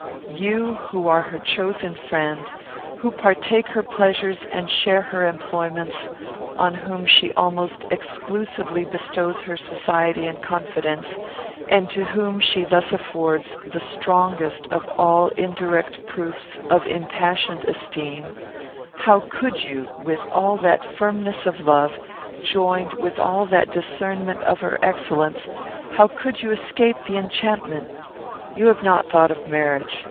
"You, who are her chosen friend, who partake her pleasures and share her employments, on whom she almost exclusively bestows her society and confidence, and to whom she thus affords the strongest of all indirect proofs of impassioned esteem, how could you, with all that firmness of love, joined with all that discernment of her excellence, how could you escape the enchantment? "You have not thought of marriage.